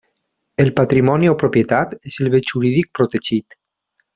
El patrimoni o propietat és el bé jurídic protegit.